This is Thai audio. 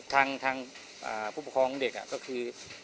ทางผู้ปกครองเด็กก็คือ